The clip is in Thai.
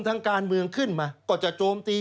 ทางการเมืองขึ้นมาก็จะโจมตี